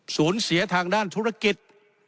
เสียทางด้านธุรกิจ